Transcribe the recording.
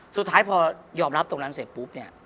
สุดท้ายพอยอมรับตรงนั้นเสร็จปุ๊บเนี่ย